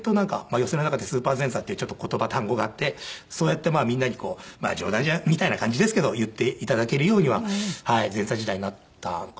寄席の中でスーパー前座っていうちょっと言葉単語があってそうやってみんなに冗談みたいな感じですけど言って頂けるようには前座時代なったのかな。